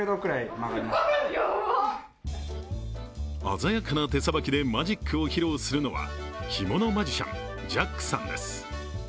鮮やかな手さばきでマジックを披露するのは着物マジシャン、ジャックさんです